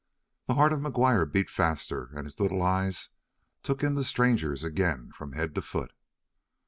The heart of McGuire beat faster and his little eyes took in the strangers again from head to foot.